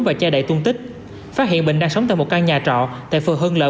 và che đậy tuân tích phát hiện bình đang sống tại một căn nhà trọ tại phường hưng lợi